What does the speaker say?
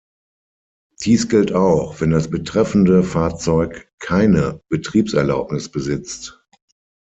Dies gilt auch, wenn das betreffende Fahrzeug keine Betriebserlaubnis besitzt.